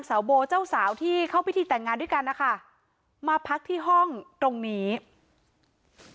ทีมข่าวของเราก็เลยไปตรวจสอบที่แฟลต์ตำรวจที่สอบภาวเมืองชายนาฏไปดูเบาะแสตามที่ชาวเน็ตแจ้งมาว่า